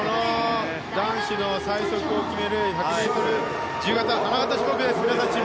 男子の最速を決める１００ｍ自由形、花形種目です。